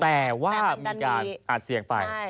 แต่ว่ามีการอัดเสียงไป